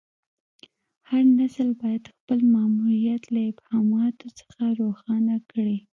هر نسل باید خپل ماموریت له ابهاماتو څخه روښانه کړي.